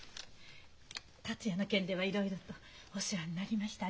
達也の件ではいろいろとお世話になりました。